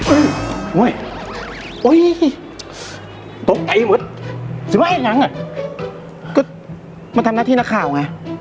อุ้ยโอ้ยโอ้ยตกไอ้หมดสิมะไอ้หนังอะก็มันทำหน้าที่นักข่าวไง